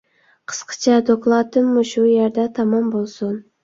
قىسقىچە دوكلاتىم مۇشۇ يەردە تامام بولسۇن.